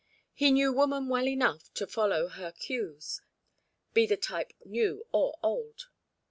He knew woman well enough to follow her cues, be the type new or old.